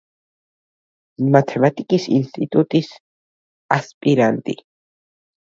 მათემატიკის ინსტიტუტის ასპირანტი.